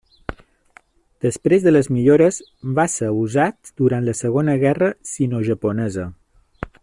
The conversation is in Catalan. Després de les millores, va ser usat durant la Segona Guerra Sinojaponesa.